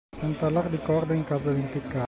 Non parlar di corda in casa dell'impiccato.